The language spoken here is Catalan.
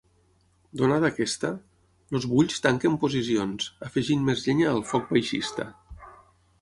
Donada aquesta, els bulls tanquen posicions, afegint més llenya al foc baixista.